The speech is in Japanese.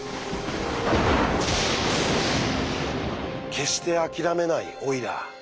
決して諦めないオイラー。